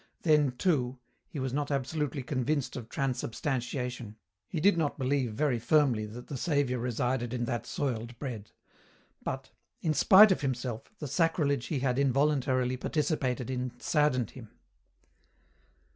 Then, too he was not absolutely convinced of Transubstantiation he did not believe very firmly that the Saviour resided in that soiled bread but In spite of himself, the sacrilege he had involuntarily participated in saddened him.